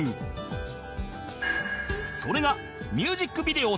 それがミュージックビデオ